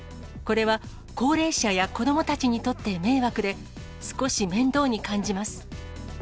これは高齢者や子どもたちにとって迷惑で、少し面倒に感じます。